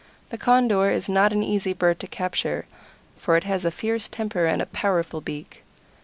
The Condor is not an easy bird to capture, for it has a fierce temper and a powerful beak.